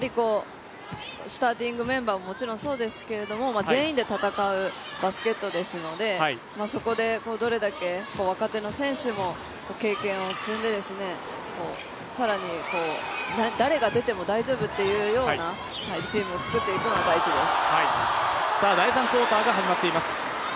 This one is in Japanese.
スターティングメンバーももちろんそうですが全員で戦うバスケットですのでそこでどれだけ若手の選手も経験を積んで更に、誰が出ても大丈夫っていうようなチームを作っていくのが大事です。